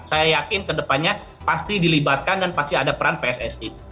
saya yakin ke depannya pasti dilibatkan dan pasti ada peran pssi